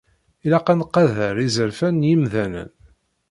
Ilaq ad nqader izerfan n yimdanen.